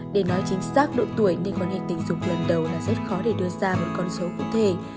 để nói chính xác độ tuổi nên quan hệ tình dục lần đầu là rất khó để đưa ra một con số cụ thể